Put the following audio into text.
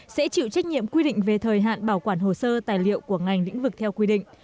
sẽ chịu trách nhiệm quy định về thời hạn bảo quản hồ sơ tài liệu của ngành lĩnh vực theo quy định